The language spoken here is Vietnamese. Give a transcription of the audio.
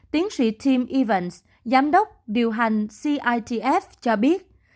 tiến sĩ tim evans giám đốc điều hành citf cho biết